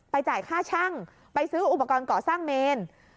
จ่ายค่าช่างไปซื้ออุปกรณ์ก่อสร้างเมน